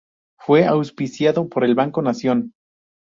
Fue auspiciado por el Banco Nación.